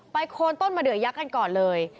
ไปโค้นต้นมาเดี่ยวญักกันก่อนเลย